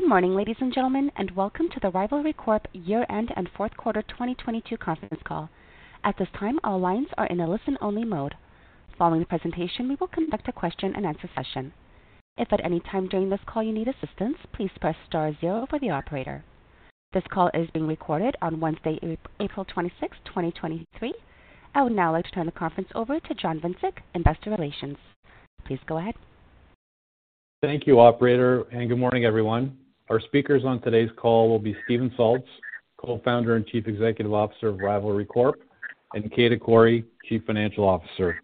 Good morning, ladies and gentlemen, welcome to the Rivalry Corp year-end and fourth quarter 2022 conference call. At this time, all lines are in a listen-only mode. Following the presentation, we will conduct a question-and-answer session. If at any time during this call you need assistance, please press star zero for the operator. This call is being recorded on Wednesday, April 26th, 2023. I would now like to turn the conference over to John Vincic, Investor Relations. Please go ahead. Thank you, operator, and good morning, everyone. Our speakers on today's call will be Steven Salz, Co-founder and Chief Executive Officer of Rivalry Corp, and, Kejda Qorri Chief Financial Officer.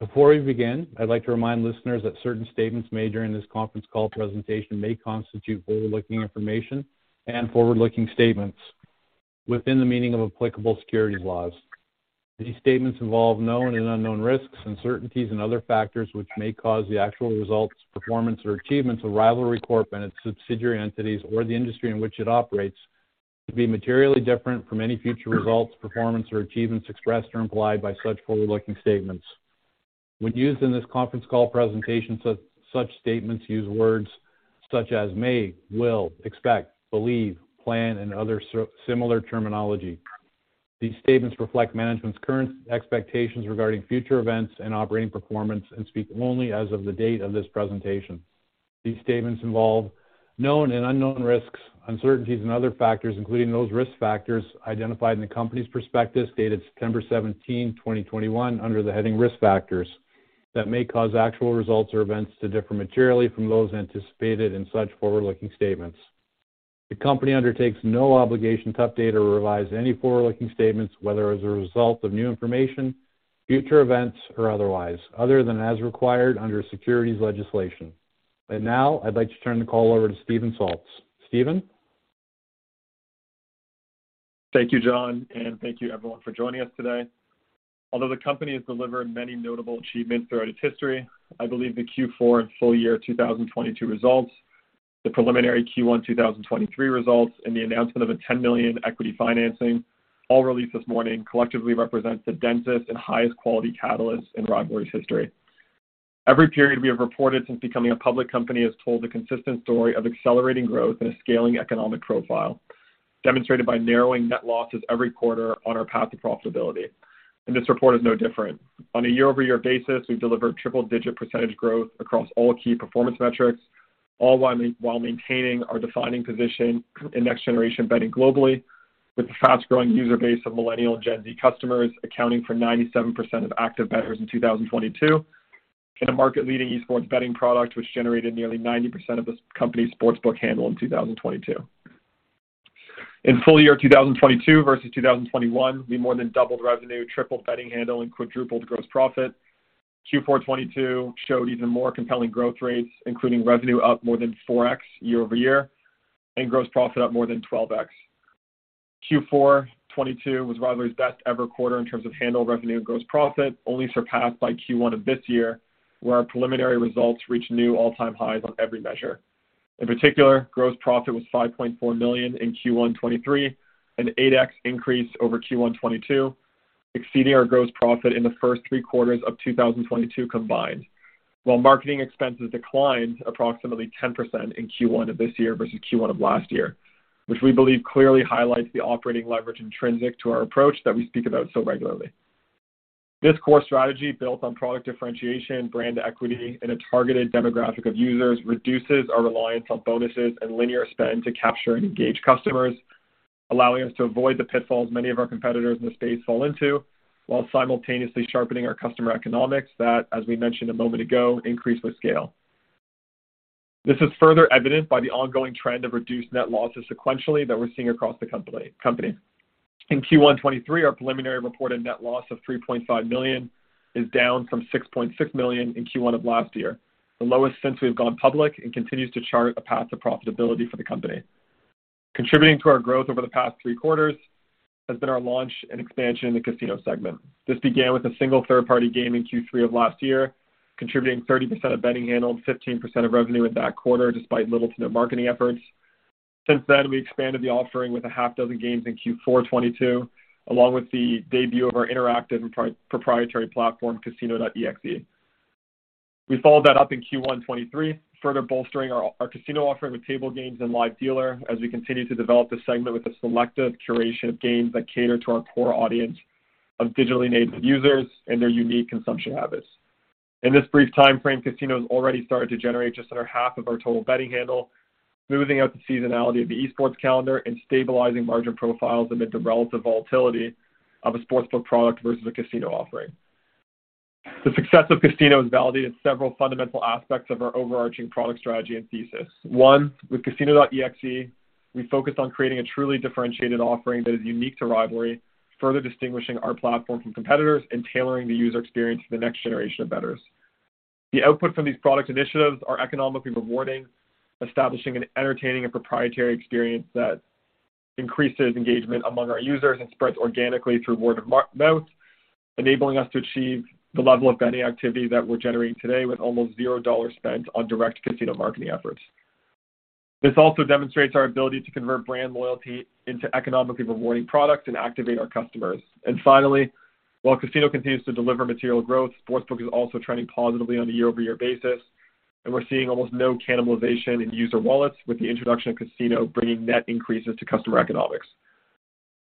Before we begin, I'd like to remind listeners that certain statements made during this conference call presentation may constitute forward-looking information and forward-looking statements within the meaning of applicable securities laws. These statements involve known and unknown risks, uncertainties and other factors which may cause the actual results, performance or achievements of Rivalry Corp and its subsidiary entities or the industry in which it operates to be materially different from any future results, performance or achievements expressed or implied by such forward-looking statements. When used in this conference call presentation, such statements use words such as may, will, expect, believe, plan, and other similar terminology. These statements reflect management's current expectations regarding future events and operating performance and speak only as of the date of this presentation. These statements involve known and unknown risks, uncertainties and other factors, including those risk factors identified in the company's prospectus dated September 17th, 2021, under the heading Risk Factors, that may cause actual results or events to differ materially from those anticipated in such forward-looking statements. The company undertakes no obligation to update or revise any forward-looking statements, whether as a result of new information, future events or otherwise, other than as required under securities legislation. Now I'd like to turn the call over to Steven Salz. Steven. Thank you, John. Thank you everyone for joining us today. Although the company has delivered many notable achievements throughout its history, I believe the Q4 and full year 2022 results, the preliminary Q1 2023 results, and the announcement of a 10 million equity financing, all released this morning, collectively represents the densest and highest quality catalyst in Rivalry's history. Every period we have reported since becoming a public company has told a consistent story of accelerating growth and a scaling economic profile, demonstrated by narrowing net losses every quarter on our path to profitability. This report is no different. On a year-over-year basis, we've delivered triple-digit % growth across all key performance metrics, all while maintaining our defining position in next-generation betting globally with a fast-growing user base of millennial and Gen Z customers accounting for 97% of active bettors in 2022. In a market-leading esports betting product, which generated nearly 90% of the company's sportsbook handle in 2022. In full year 2022 versus 2021, we more than doubled revenue, tripled betting handle and quadrupled gross profit. Q4 2022 showed even more compelling growth rates, including revenue up more than 4x year-over-year and gross profit up more than 12x. Q4 2022 was Rivalry's best ever quarter in terms of handle revenue and gross profit, only surpassed by Q1 of this year, where our preliminary results reached new all-time highs on every measure. In particular, gross profit was 5.4 million in Q1 2023, an 8x increase over Q1 2022, exceeding our gross profit in the first three quarters of 2022 combined. While marketing expenses declined approximately 10% in Q1 of this year versus Q1 of last year, which we believe clearly highlights the operating leverage intrinsic to our approach that we speak about so regularly. This core strategy, built on product differentiation, brand equity, and a targeted demographic of users, reduces our reliance on bonuses and linear spend to capture and engage customers, allowing us to avoid the pitfalls many of our competitors in the space fall into, while simultaneously sharpening our customer economics that, as we mentioned a moment ago, increase with scale. This is further evidenced by the ongoing trend of reduced net losses sequentially that we're seeing across the company. In Q1 2023, our preliminary reported net loss of 3.5 million is down from 6.6 million in Q1 of last year, the lowest since we've gone public, and continues to chart a path to profitability for the company. Contributing to our growth over the past three quarters has been our launch and expansion in the casino segment. This began with a single third-party game in Q3 of last year, contributing 30% of betting handle and 15% of revenue in that quarter, despite little to no marketing efforts. Since then, we expanded the offering with a half dozen games in Q4 2022, along with the debut of our interactive pro-proprietary platform, Casino.exe. We followed that up in Q1 2023, further bolstering our casino offering with table games and live dealer as we continue to develop the segment with a selective curation of games that cater to our core audience of digitally native users and their unique consumption habits. In this brief time frame, casino has already started to generate just under half of our total betting handle, smoothing out the seasonality of the esports calendar and stabilizing margin profiles amid the relative volatility of a sportsbook product versus a casino offering. The success of casino has validated several fundamental aspects of our overarching product strategy and thesis. One, with Casino.exe, we focused on creating a truly differentiated offering that is unique to Rivalry, further distinguishing our platform from competitors and tailoring the user experience to the next generation of bettors. The output from these product initiatives are economically rewarding, establishing an entertaining and proprietary experience that increases engagement among our users and spreads organically through word of mouth, enabling us to achieve the level of betting activity that we're generating today with almost 0 dollars spent on direct casino marketing efforts. This also demonstrates our ability to convert brand loyalty into economically rewarding products and activate our customers. Finally, while casino continues to deliver material growth, sportsbook is also trending positively on a year-over-year basis, and we're seeing almost no cannibalization in user wallets with the introduction of casino bringing net increases to customer economics.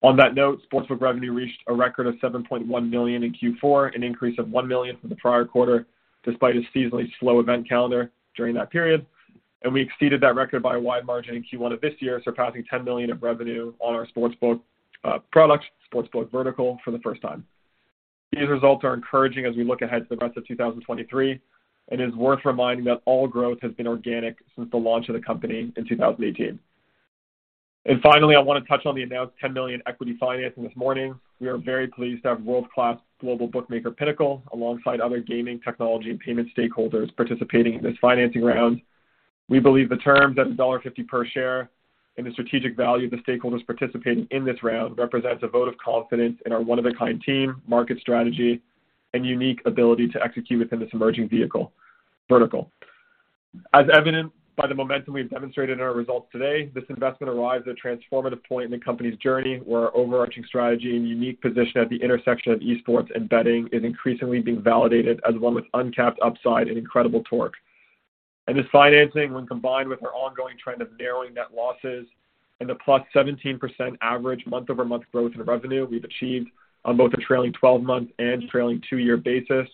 On that note, sportsbook revenue reached a record of 7.1 million in Q4, an increase of 1 million from the prior quarter, despite a seasonally slow event calendar during that period. We exceeded that record by a wide margin in Q1 of this year, surpassing 10 million of revenue on our sportsbook products, sportsbook vertical for the first time. These results are encouraging as we look ahead to the rest of 2023, and is worth reminding that all growth has been organic since the launch of the company in 2018. Finally, I wanna touch on the announced $10 million equity financing this morning. We are very pleased to have world-class global bookmaker Pinnacle, alongside other gaming technology and payment stakeholders participating in this financing round. We believe the terms at $1.50 per share and the strategic value of the stakeholders participating in this round represents a vote of confidence in our one-of-a-kind team, market strategy, and unique ability to execute within this emerging vertical. As evidenced by the momentum we've demonstrated in our results today, this investment arrives at a transformative point in the company's journey, where our overarching strategy and unique position at the intersection of esports and betting is increasingly being validated as one with uncapped upside and incredible torque. This financing, when combined with our ongoing trend of narrowing net losses and the +17% average month-over-month growth in revenue we've achieved on both the trailing 12-month and trailing two-year basis,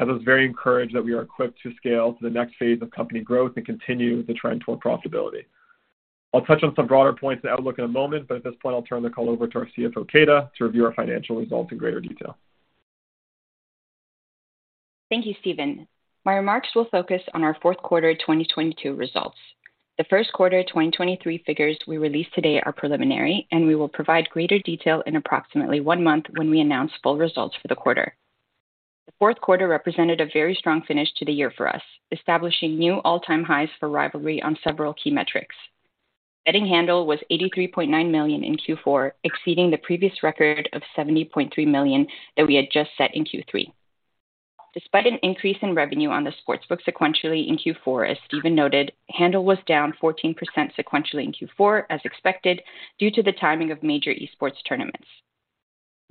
has us very encouraged that we are equipped to scale to the next phase of company growth and continue the trend toward profitability. I'll touch on some broader points in outlook in a moment, but at this point I'll turn the call over to our CFO, Kejda, to review our financial results in greater detail. Thank you, Steven. My remarks will focus on our fourth quarter 2022 results. The first quarter 2023 figures we released today are preliminary, and we will provide greater detail in approximately one month when we announce full results for the quarter. The fourth quarter represented a very strong finish to the year for us, establishing new all-time highs for Rivalry on several key metrics. Betting handle was 83.9 million in Q4, exceeding the previous record of 70.3 million that we had just set in Q3. Despite an increase in revenue on the sportsbook sequentially in Q4, as Steven noted, handle was down 14% sequentially in Q4, as expected, due to the timing of major esports tournaments.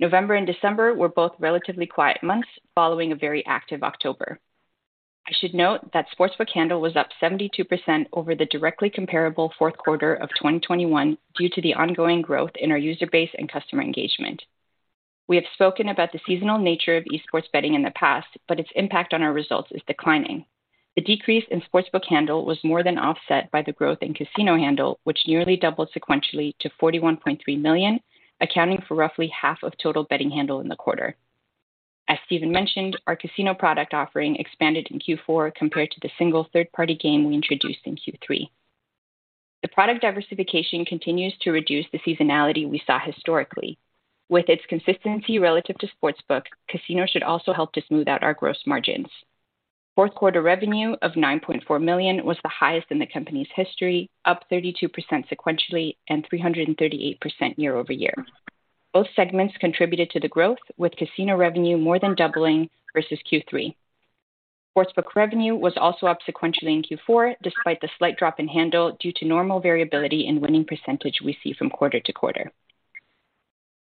November and December were both relatively quiet months, following a very active October. I should note that sportsbook handle was up 72% over the directly comparable fourth quarter of 2021 due to the ongoing growth in our user base and customer engagement. We have spoken about the seasonal nature of esports betting in the past, but its impact on our results is declining. The decrease in sportsbook handle was more than offset by the growth in casino handle, which nearly doubled sequentially to $41.3 million, accounting for roughly half of total betting handle in the quarter. As Steven mentioned, our casino product offering expanded in Q4 compared to the single third-party game we introduced in Q3. The product diversification continues to reduce the seasonality we saw historically. With its consistency relative to sportsbook, casino should also help to smooth out our gross margins. Fourth quarter revenue of 9.4 million was the highest in the company's history, up 32% sequentially and 338% year-over-year. Both segments contributed to the growth, with casino revenue more than doubling versus Q3. Sportsbook revenue was also up sequentially in Q4, despite the slight drop in handle due to normal variability in winning percentage we see from quarter to quarter.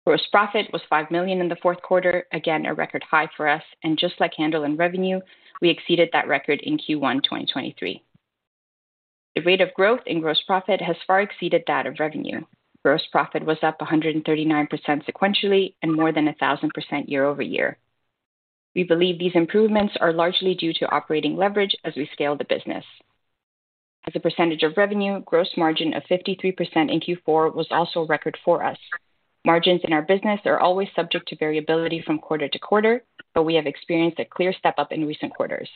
Gross profit was 5 million in the fourth quarter, again, a record high for us, and just like handle and revenue, we exceeded that record in Q1 2023. The rate of growth in gross profit has far exceeded that of revenue. Gross profit was up 139% sequentially and more than 1,000% year-over-year. We believe these improvements are largely due to operating leverage as we scale the business. As a percentage of revenue, gross margin of 53% in Q4 was also a record for us. Margins in our business are always subject to variability from quarter to quarter. We have experienced a clear step-up in recent quarters.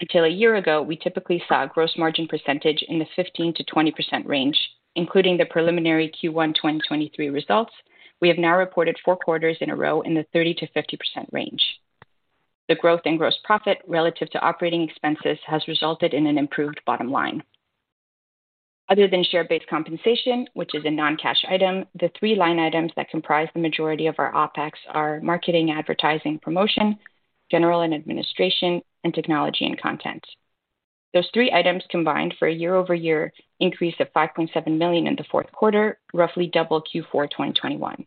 Until a year ago, we typically saw a gross margin percentage in the 15%-20% range, including the preliminary Q1 2023 results, we have now reported four quarters in a row in the 30%-50% range. The growth in gross profit relative to operating expenses has resulted in an improved bottom line. Other than share-based compensation, which is a non-cash item, the three line items that comprise the majority of our OpEx are marketing, advertising, promotion, general and administration, and technology and content. Those three items combined for a year-over-year increase of 5.7 million in the fourth quarter, roughly double Q4 2021.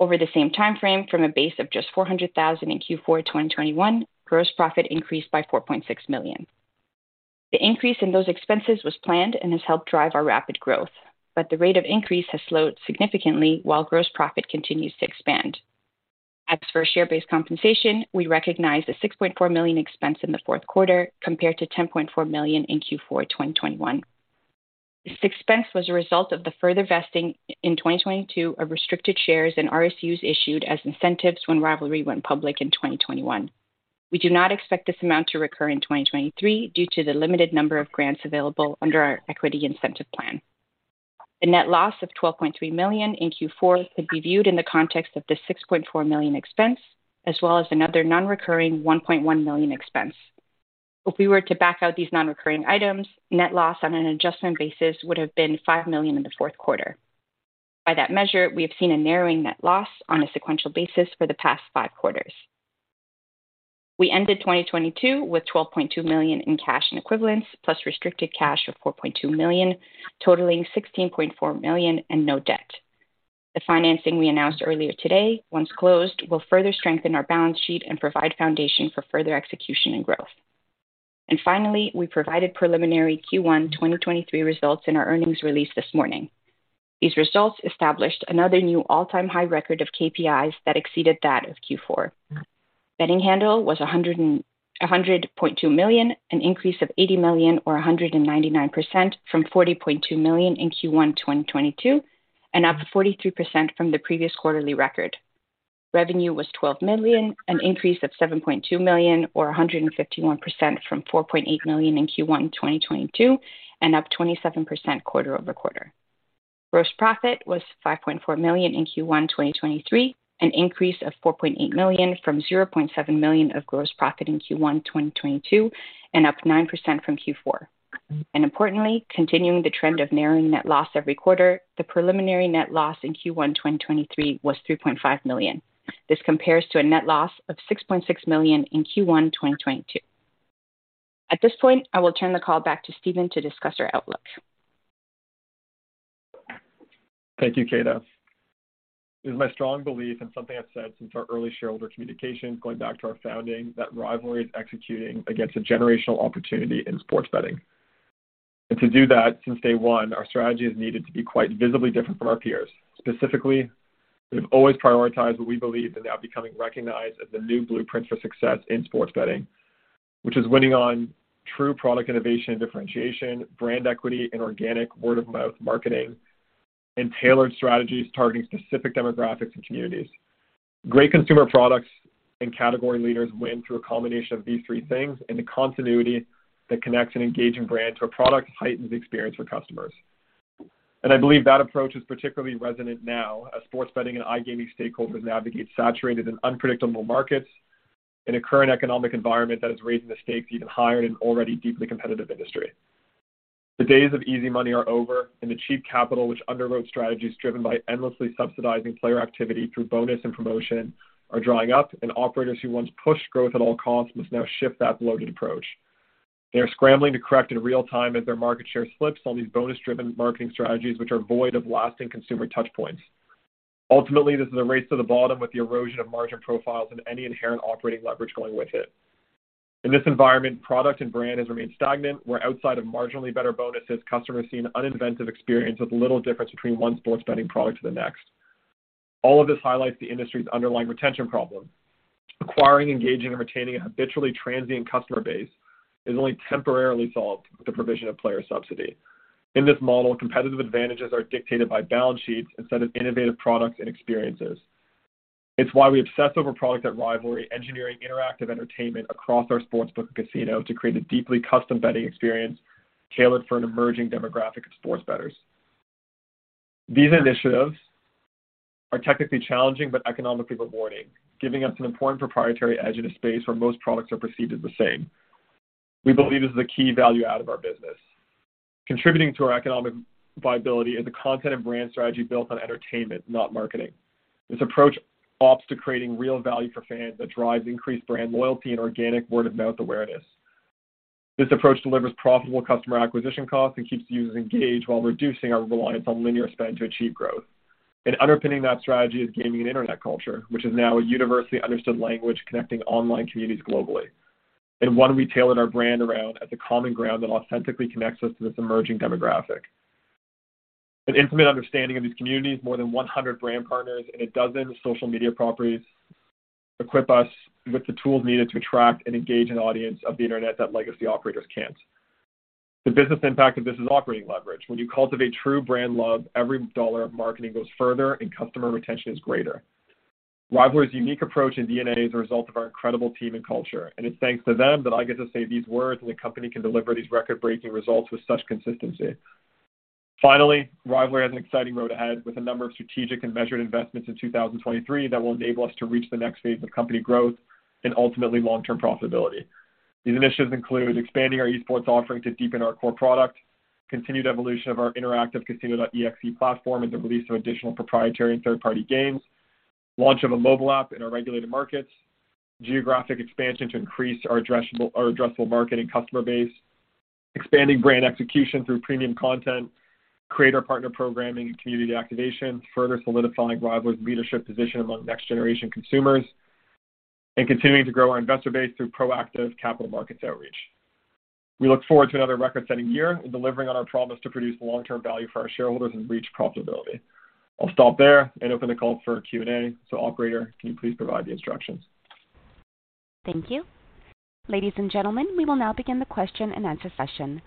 Over the same timeframe, from a base of just 400,000 in Q4 2021, gross profit increased by 4.6 million. The increase in those expenses was planned and has helped drive our rapid growth, the rate of increase has slowed significantly while gross profit continues to expand. As for share-based compensation, we recognized a 6.4 million expense in the fourth quarter compared to 10.4 million in Q4 2021. This expense was a result of the further vesting in 2022 of restricted shares and RSUs issued as incentives when Rivalry went public in 2021. We do not expect this amount to recur in 2023 due to the limited number of grants available under our equity incentive plan. The net loss of 12.3 million in Q4 could be viewed in the context of the 6.4 million expense, as well as another non-recurring 1.1 million expense. If we were to back out these non-recurring items, net loss on an adjustment basis would have been 5 million in the fourth quarter. By that measure, we have seen a narrowing net loss on a sequential basis for the past five quarters. We ended 2022 with 12.2 million in cash and equivalents, plus restricted cash of 4.2 million, totaling 16.4 million and no debt. The financing we announced earlier today, once closed, will further strengthen our balance sheet and provide foundation for further execution and growth. Finally, we provided preliminary Q1 2023 results in our earnings release this morning. These results established another new all-time high record of KPIs that exceeded that of Q4. Betting handle was 100.2 million, an increase of 80 million or 199% from 40.2 million in Q1 2022, and up 43% from the previous quarterly record. Revenue was 12 million, an increase of 7.2 million or 151% from 4.8 million in Q1 2022 and up 27% quarter-over-quarter. Gross profit was 5.4 million in Q1 2023, an increase of 4.8 million from 0.7 million of gross profit in Q1 2022 and up 9% from Q4. Importantly, continuing the trend of narrowing net loss every quarter, the preliminary net loss in Q1 2023 was 3.5 million. This compares to a net loss of 6.6 million in Q1 2022. At this point, I will turn the call back to Steven Salz to discuss our outlook. Thank you, Kejda. It is my strong belief and something I've said since our early shareholder communications going back to our founding, that Rivalry is executing against a generational opportunity in sports betting. To do that, since day one, our strategy has needed to be quite visibly different from our peers. Specifically, we've always prioritized what we believe is now becoming recognized as the new blueprint for success in sports betting, which is winning on true product innovation and differentiation, brand equity and organic word-of-mouth marketing, and tailored strategies targeting specific demographics and communities. Great consumer products and category leaders win through a combination of these three things, and the continuity that connects an engaging brand to a product heightens the experience for customers. I believe that approach is particularly resonant now as sports betting and iGaming stakeholders navigate saturated and unpredictable markets in a current economic environment that has raised the stakes even higher in an already deeply competitive industry. The days of easy money are over. The cheap capital which underwrote strategies driven by endlessly subsidizing player activity through bonus and promotion are drying up. Operators who once pushed growth at all costs must now shift that bloated approach. They are scrambling to correct in real time as their market share slips on these bonus-driven marketing strategies which are void of lasting consumer touch points. Ultimately, this is a race to the bottom with the erosion of margin profiles and any inherent operating leverage going with it. In this environment, product and brand has remained stagnant, where outside of marginally better bonuses, customers see an uninventive experience with little difference between one sports betting product to the next. All of this highlights the industry's underlying retention problem. Acquiring, engaging, and retaining a habitually transient customer base is only temporarily solved with the provision of player subsidy. In this model, competitive advantages are dictated by balance sheets instead of innovative products and experiences. It's why we obsess over product at Rivalry, engineering interactive entertainment across our sportsbook and casino to create a deeply custom betting experience tailored for an emerging demographic of sports bettors. These initiatives are technically challenging but economically rewarding, giving us an important proprietary edge in a space where most products are perceived as the same. We believe this is a key value out of our business. Contributing to our economic viability is a content and brand strategy built on entertainment, not marketing. This approach opts to creating real value for fans that drives increased brand loyalty and organic word-of-mouth awareness. This approach delivers profitable customer acquisition costs and keeps users engaged while reducing our reliance on linear spend to achieve growth. Underpinning that strategy is gaming and internet culture, which is now a universally understood language connecting online communities globally. One we tailored our brand around as a common ground that authentically connects us to this emerging demographic. An intimate understanding of these communities, more than 100 brand partners and a dozen social media properties equip us with the tools needed to attract and engage an audience of the internet that legacy operators can't. The business impact of this is operating leverage. When you cultivate true brand love, every dollar of marketing goes further and customer retention is greater. Rivalry's unique approach and DNA is a result of our incredible team and culture, and it's thanks to them that I get to say these words and the company can deliver these record-breaking results with such consistency. Rivalry has an exciting road ahead with a number of strategic and measured investments in 2023 that will enable us to reach the next phase of company growth and ultimately long-term profitability. These initiatives include expanding our esports offering to deepen our core product, continued evolution of our interactive Casino.exe platform and the release of additional proprietary and third-party games, launch of a mobile app in our regulated markets, geographic expansion to increase our addressable market and customer base, expanding brand execution through premium content, creator partner programming, and community activation, further solidifying Rivalry's leadership position among next-generation consumers, and continuing to grow our investor base through proactive capital markets outreach. We look forward to another record-setting year and delivering on our promise to produce long-term value for our shareholders and reach profitability. I'll stop there and open the call for Q&A. Operator, can you please provide the instructions? Thank you. Ladies and gentlemen, we will now begin the question-and-answer session.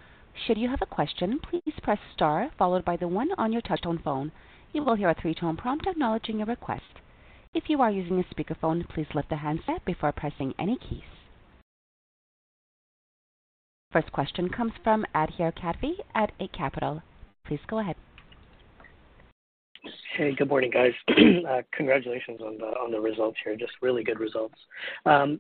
Should you have a question, please press star followed by the one on your touchtone phone. You will hear a three-tone prompt acknowledging your request. If you are using a speakerphone, please lift the handset before pressing any keys. First question comes from Adhir Kadve at Eight Capital. Please go ahead. Hey, good morning, guys. Congratulations on the results here. Just really good results. I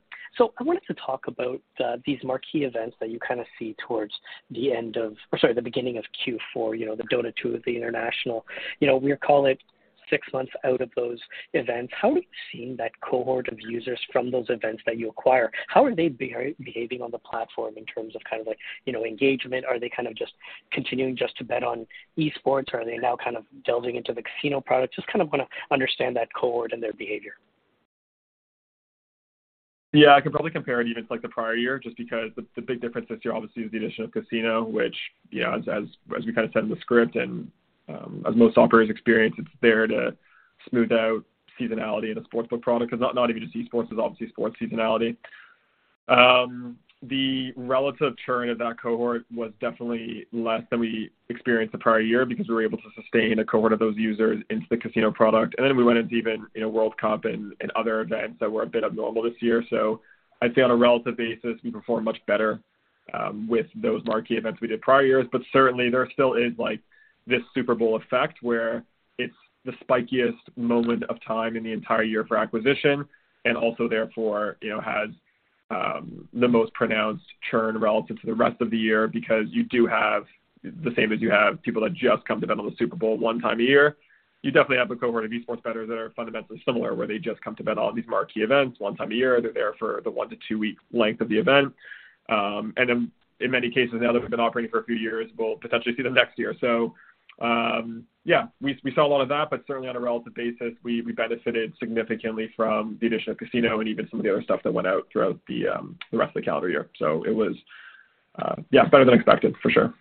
wanted to talk about these marquee events that you kinda see towards the beginning of Q4, you know, the Dota 2, of the International. You know, we call it six months out of those events, how are you seeing that cohort of users from those events that you acquire? How are they behaving on the platform in terms of kind of like, you know, engagement? Are they kind of just continuing just to bet on esports, or are they now kind of delving into the casino product? Just kind of wanna understand that cohort and their behavior. Yeah. I could probably compare it even to, like, the prior year, just because the big difference this year obviously is the addition of Casino, which, you know, as we kind of said in the script and as most operators experience, it's there to smooth out seasonality in a sportsbook product. 'Cause not even just esports. There's obviously sports seasonality. The relative churn of that cohort was definitely less than we experienced the prior year because we were able to sustain a cohort of those users into the Casino product. We went into even, you know, World Cup and other events that were a bit abnormal this year. I'd say on a relative basis, we performed much better with those marquee events we did prior years. Certainly there still is, like, this Super Bowl effect where it's the spikiest moment of time in the entire year for acquisition and also therefore, you know, has the most pronounced churn relative to the rest of the year because you do have the same as you have people that just come to bet on the Super Bowl one time a year. You definitely have a cohort of esports betters that are fundamentally similar, where they just come to bet on these marquee events one time a year. They're there for the one to two week length of the event. In many cases now that we've been operating for a few years, we'll potentially see them next year. Yeah, we saw a lot of that, but certainly on a relative basis we benefited significantly from the addition of casino and even some of the other stuff that went out throughout the rest of the calendar year. It was, yeah, better than expected for sure.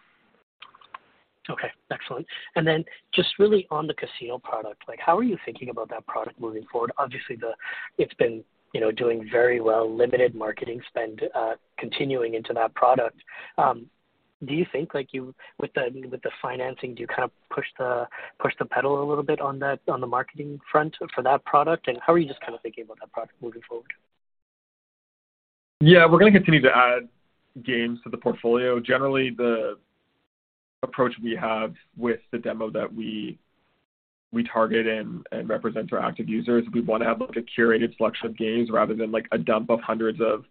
Okay. Excellent. Then just really on the casino product, like how are you thinking about that product moving forward? Obviously it's been, you know, doing very well, limited marketing spend, continuing into that product. Do you think like you with the financing, do you kind of push the pedal a little bit on the marketing front for that product? How are you just kind of thinking about that product moving forward? Yeah, we're gonna continue to add games to the portfolio. Generally, the approach we have with the demo that we target and represent to our active users, we wanna have like a curated selection of games rather than like a dump of hundreds of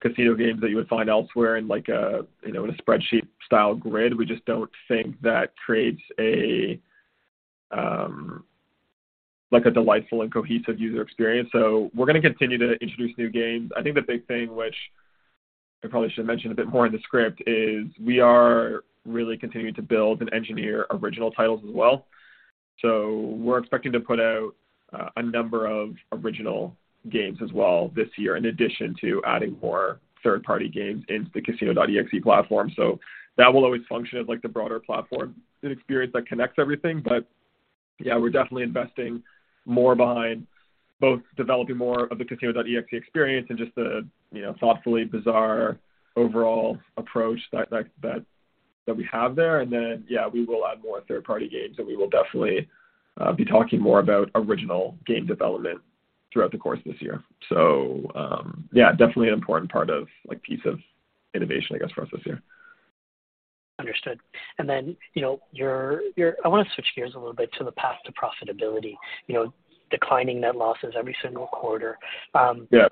casino games that you would find elsewhere in like a, you know, in a spreadsheet-style grid. We just don't think that creates a like a delightful and cohesive user experience. We're gonna continue to introduce new games. I think the big thing which I probably should have mentioned a bit more in the script is we are really continuing to build and engineer original titles as well. We're expecting to put out a number of original games as well this year in addition to adding more third-party games into the Casino.exe platform. That will always function as like the broader platform, an experience that connects everything. Yeah, we're definitely investing more behind both developing more of the Casino.exe experience and just the, you know, thoughtfully bizarre overall approach that we have there. Then, yeah, we will add more third-party games, and we will definitely be talking more about original game development throughout the course of this year. Yeah, definitely an important part of like piece of innovation I guess for us this year. Understood. you know, I wanna switch gears a little bit to the path to profitability. You know, declining net losses every single quarter. Yeah.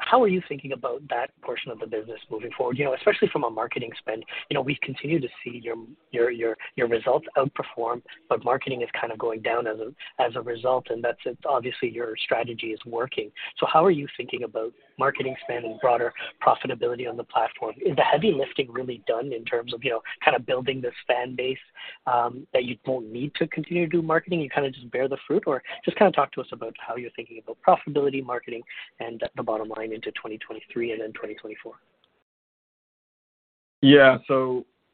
How are you thinking about that portion of the business moving forward? You know, especially from a marketing spend. You know, we continue to see your results outperform, but marketing is kind of going down as a result, and that's, it's obviously your strategy is working. How are you thinking about marketing spend and broader profitability on the platform? Is the heavy lifting really done in terms of, you know, kind of building this fan base, that you don't need to continue to do marketing, you kind of just bear the fruit? Just kind of talk to us about how you're thinking about profitability, marketing and the bottom line into 2023 and then 2024. Yeah.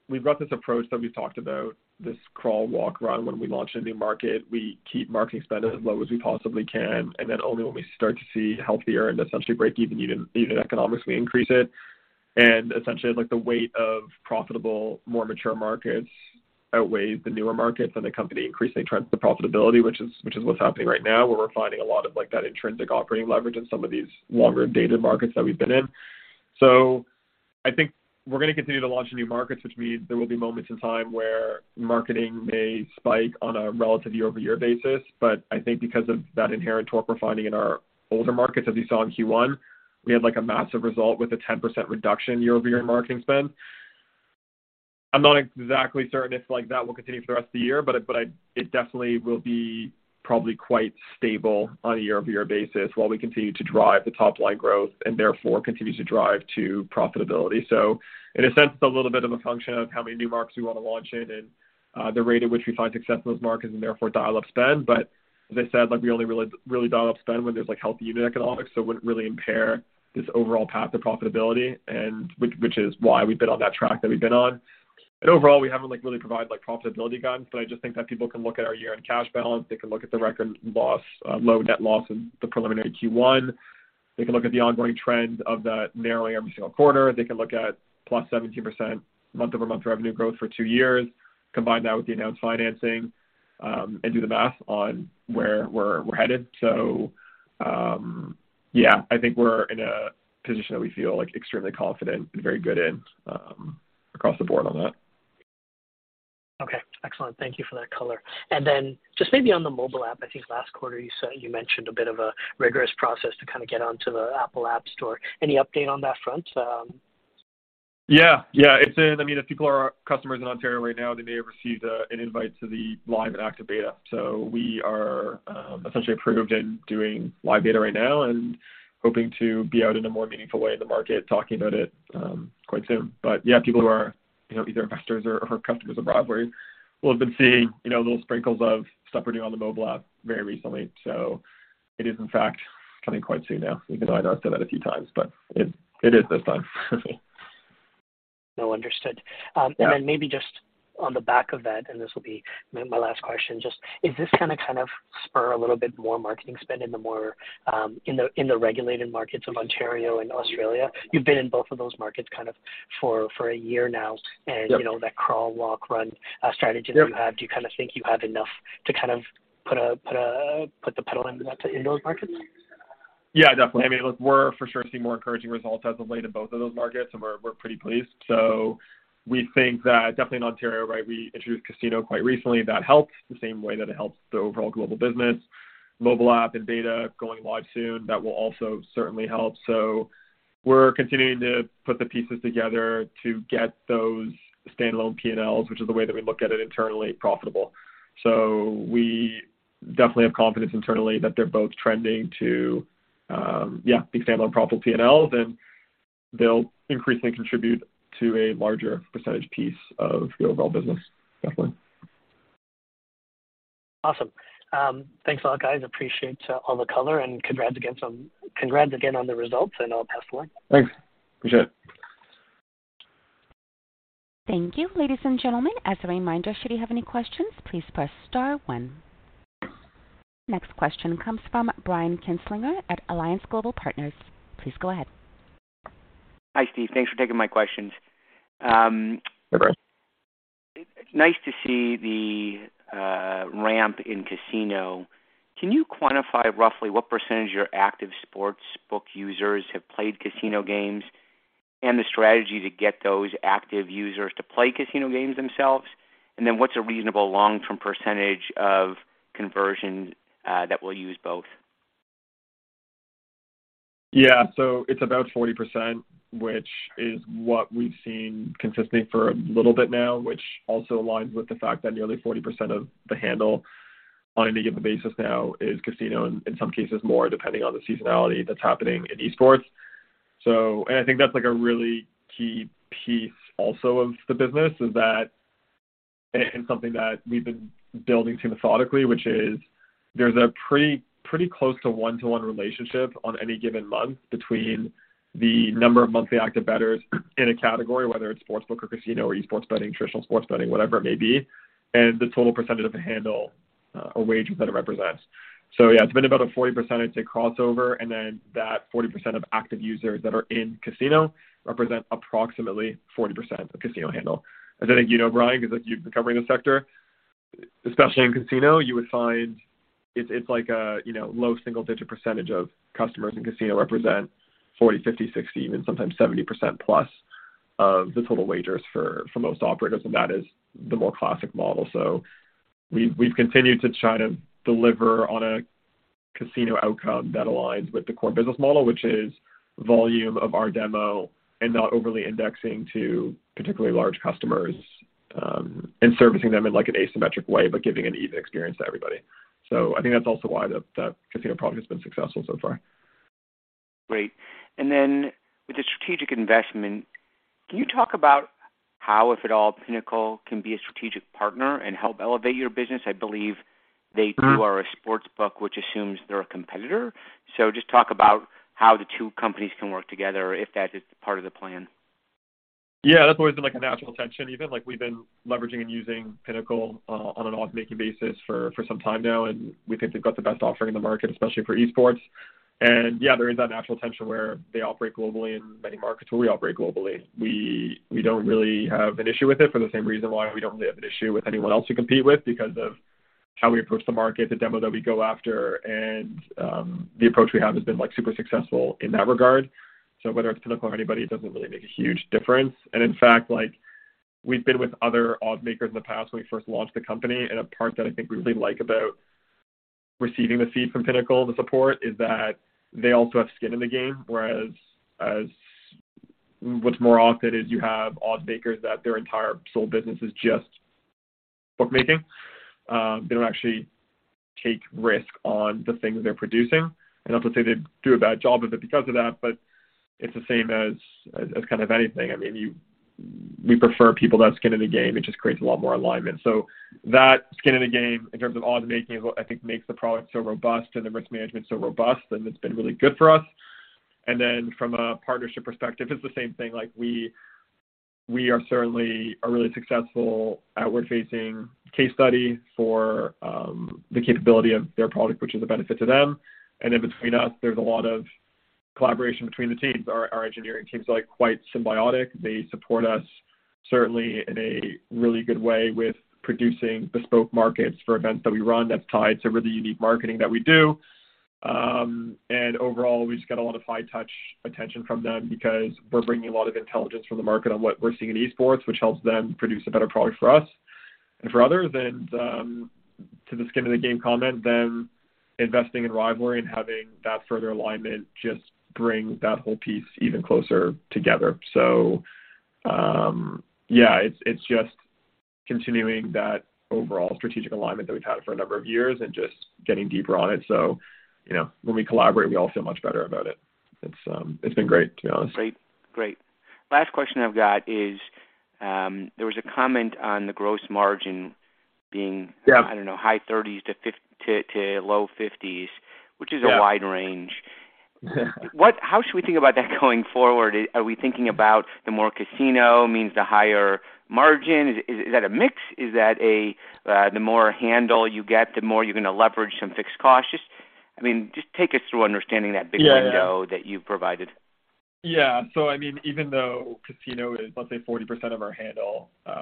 We've got this approach that we've talked about, this crawl, walk, run. When we launch a new market, we keep marketing spend as low as we possibly can, only when we start to see healthier and essentially break even unit economics, we increase it. Essentially like the weight of profitable, more mature markets outweighs the newer markets and the company increasing trends to profitability, which is what's happening right now, where we're finding a lot of like that intrinsic operating leverage in some of these longer dated markets that we've been in. I think we're gonna continue to launch new markets, which means there will be moments in time where marketing may spike on a relative year-over-year basis. I think because of that inherent torque we're finding in our older markets, as you saw in Q1, we had like a massive result with a 10% reduction year-over-year in marketing spend. I'm not exactly certain if like that will continue for the rest of the year, but I, it definitely will be probably quite stable on a year-over-year basis while we continue to drive the top line growth and therefore continue to drive to profitability. In a sense, it's a little bit of a function of how many new markets we wanna launch in and the rate at which we find success in those markets and therefore dial up spend. As I said, like we only really, really dial up spend when there's like healthy unit economics, so it wouldn't really impair this overall path to profitability, which is why we've been on that track that we've been on. Overall we haven't like really provided like profitability guidance, but I just think that people can look at our year-end cash balance. They can look at the record loss, low net loss in the preliminary Q1. They can look at the ongoing trend of that narrowing every single quarter. They can look at +17% month-over-month revenue growth for two years, combine that with the announced financing, and do the math on where we're headed. Yeah, I think we're in a position that we feel like extremely confident and very good in, across the board on that. Okay. Excellent. Thank you for that color. Just maybe on the mobile app, I think last quarter you mentioned a bit of a rigorous process to kind of get onto the Apple App Store. Any update on that front? Yeah. Yeah, it's in. I mean, if people are customers in Ontario right now, they may have received an invite to the live and active beta. We are essentially approved and doing live beta right now and hoping to be out in a more meaningful way in the market talking about it quite soon. Yeah, people who are, you know, either investors or customers of Broadware will have been seeing, you know, little sprinkles of stuff we're doing on the mobile app very recently. It is in fact coming quite soon now, even though I know I've said that a few times, but it is this time. No, understood. Maybe just on the back of that, and this will be my last question, just is this gonna kind of spur a little bit more marketing spend in the regulated markets of Ontario and Australia? You've been in both of those markets kind of for a year now? Yep. You know that crawl, walk, run, strategy that you have. Yep. Do you kinda think you have enough to kind of put the pedal into that to in those markets? Yeah, definitely. I mean, look, we're for sure seeing more encouraging results as of late in both of those markets and we're pretty pleased. We think that definitely in Ontario, right, we introduced Casino quite recently. That helps the same way that it helps the overall global business. Mobile app and data going live soon, that will also certainly help. We're continuing to put the pieces together to get those standalone P&Ls, which is the way that we look at it internally profitable. We definitely have confidence internally that they're both trending to, yeah, be standalone profitable P&Ls, and they'll increasingly contribute to a larger percentage piece of the overall business. Definitely. Awesome. Thanks a lot, guys. Appreciate all the color and congrats again on the results. I'll pass the line. Thanks. Appreciate it. Thank you. Ladies and gentlemen, as a reminder, should you have any questions, please press star one. Next question comes from Brian Kinstlinger at Alliance Global Partners. Please go ahead. Hi, Steve. Thanks for taking my questions. Hi, Brian. It's nice to see the ramp in casino. Can you quantify roughly what % of your active sportsbook users have played casino games and the strategy to get those active users to play casino games themselves? What's a reasonable long-term percentage of conversion that we'll use both? Yeah. It's about 40%, which is what we've seen consistently for a little bit now, which also aligns with the fact that nearly 40% of the handle on a given basis now is casino, in some cases more depending on the seasonality that's happening in esports. I think that's like a really key piece also of the business is that it's something that we've been building to methodically, which is there's a pretty close to one to one relationship on any given month between the number of monthly active bettors in a category, whether it's sportsbook or casino or esports betting, traditional sports betting, whatever it may be, and the total percentage of the handle or wage that it represents. Yeah, it's been about a 40%, I'd say, crossover, and then that 40% of active users that are in casino represent approximately 40% of casino handle. As I think you know, Brian, 'cause like you've been covering this sector, especially in casino, you would find it's like a, you know, low single-digit percentage of customers in casino represent 40%, 50%, 60%, even sometimes 70%+ of the total wagers for most operators, and that is the more classic model. We've continued to try to deliver on a casino outcome that aligns with the core business model, which is volume of our demo and not overly indexing to particularly large customers, and servicing them in like an asymmetric way, but giving an even experience to everybody. I think that's also why the casino product has been successful so far. Great. With the strategic investment, can you talk about how, if at all, Pinnacle can be a strategic partner and help elevate your business? I believe they too are a sportsbook, which assumes they're a competitor. Just talk about how the two companies can work together if that is part of the plan. Yeah, that's always been like a natural tension even. Like, we've been leveraging and using Pinnacle on an odd making basis for some time now, and we think they've got the best offering in the market, especially for esports. Yeah, there is that natural tension where they operate globally in many markets where we operate globally. We don't really have an issue with it for the same reason why we don't really have an issue with anyone else we compete with because of how we approach the market, the demo that we go after, and the approach we have has been, like, super successful in that regard. Whether it's Pinnacle or anybody, it doesn't really make a huge difference. In fact, like, we've been with other odds makers in the past when we first launched the company, and a part that I think we really like about receiving the seed from Pinnacle, the support, is that they also have skin in the game. Whereas what's more often is you have odds makers that their entire sole business is just bookmaking. They don't actually take risk on the things they're producing. Not to say they do a bad job of it because of that, but it's the same as kind of anything. I mean, we prefer people to have skin in the game. It just creates a lot more alignment. That skin in the game in terms of odds making is what I think makes the product so robust and the risk management so robust, and it's been really good for us. From a partnership perspective, it's the same thing. Like we are certainly a really successful outward-facing case study for the capability of their product, which is a benefit to them. In between us, there's a lot of collaboration between the teams. Our engineering team's, like, quite symbiotic. They support us certainly in a really good way with producing bespoke markets for events that we run that's tied to really unique marketing that we do. Overall, we just get a lot of high touch attention from them because we're bringing a lot of intelligence from the market on what we're seeing in esports, which helps them produce a better product for us. For others, to the skin of the game comment, investing in Rivalry and having that further alignment just brings that whole piece even closer together. Yeah, it's just continuing that overall strategic alignment that we've had for a number of years and just getting deeper on it. You know, when we collaborate, we all feel much better about it. It's been great, to be honest. Great. Great. Last question I've got is, there was a comment on the gross margin. Yeah. I don't know, high 30s to low 50s. Yeah. Which is a wide range. How should we think about that going forward? Are we thinking about the more casino means the higher margin? Is that a mix? Is that a, the more handle you get, the more you're gonna leverage some fixed costs? I mean, just take us through understanding that big window. Yeah. That you've provided. Yeah. I mean, even though casino is, let's say, 40% of our handle, as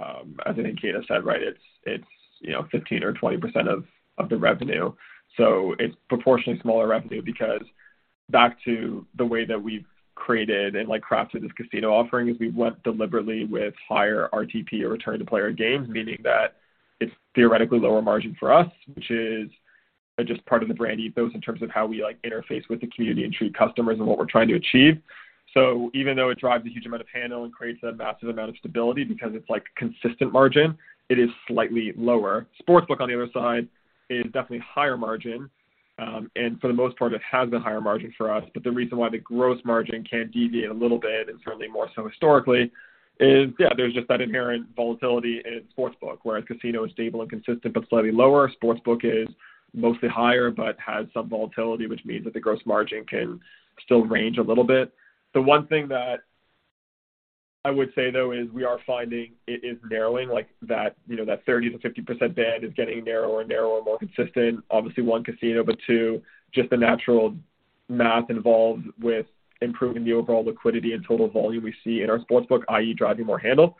I think Kejda said, right, it's, you know, 15% or 20% of the revenue. It's proportionally smaller revenue because back to the way that we've created and, like, crafted this casino offering is we went deliberately with higher RTP or return-to-player games, meaning that it's theoretically lower margin for us, which is just part of the brand ethos in terms of how we, like, interface with the community and treat customers and what we're trying to achieve. Even though it drives a huge amount of handle and creates a massive amount of stability because it's, like, consistent margin, it is slightly lower. Sportsbook, on the other side, is definitely higher margin. For the most part, it has been higher margin for us. The reason why the gross margin can deviate a little bit, and certainly more so historically, is there's just that inherent volatility in sportsbook. Whereas casino is stable and consistent, but slightly lower. Sportsbook is mostly higher, but has some volatility, which means that the gross margin can still range a little bit. The one thing that I would say, though, is we are finding it is narrowing. You know, that 30%-50% band is getting narrower and narrower and more consistent. Obviously, one, casino, but two, just the natural math involved with improving the overall liquidity and total volume we see in our sportsbook, i.e., driving more handle.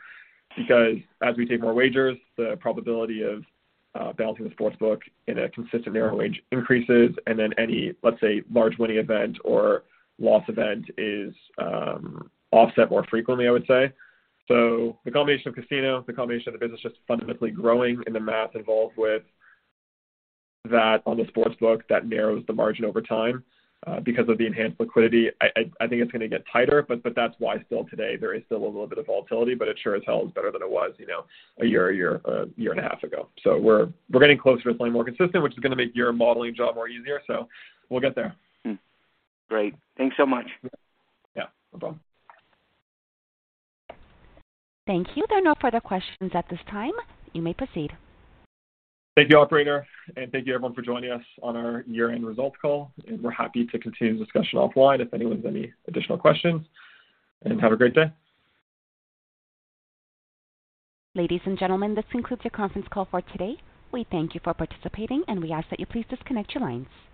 As we take more wagers, the probability of balancing the sportsbook in a consistent narrow range increases. Then any, let's say, large winning event or loss event is offset more frequently, I would say. The combination of casino, the combination of the business just fundamentally growing and the math involved with that on the sportsbook, that narrows the margin over time because of the enhanced liquidity. I, I think it's gonna get tighter, but that's why still today there is still a little bit of volatility, but it sure as hell is better than it was, you know, a year or year and a half ago. We're getting closer to something more consistent, which is gonna make your modeling job more easier. We'll get there. Great. Thanks so much. Yeah, no problem. Thank you. There are no further questions at this time. You may proceed. Thank you, operator, thank you everyone for joining us on our year-end results call. We're happy to continue the discussion offline if anyone has any additional questions, and have a great day. Ladies and gentlemen, this concludes your conference call for today. We thank you for participating, and we ask that you please disconnect your lines.